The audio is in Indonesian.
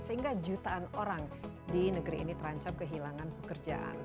sehingga jutaan orang di negeri ini terancam kehilangan pekerjaan